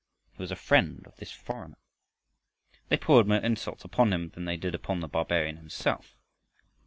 He was a friend of this foreigner! They poured more insults upon him than they did upon the barbarian himself.